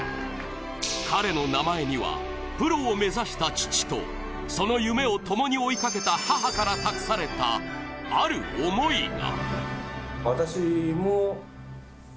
彼の名前にはプロを目指した父と、その夢をともに追いかけた母から託された、ある思いが。